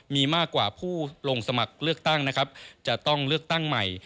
มีมากกว่าผู้ลงสมัครเลือกตั้งนะครับจะต้องเลือกตั้งใหม่